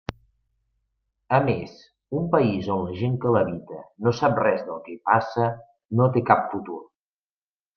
A més, un país on la gent que l'habita no sap res del que hi passa, no té cap futur.